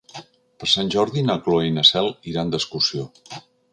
Per Sant Jordi na Cloè i na Cel iran d'excursió.